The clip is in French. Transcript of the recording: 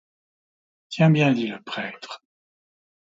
Tiens bien! dit le prêtre.